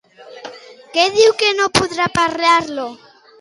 Què diu que no podrà parar-lo?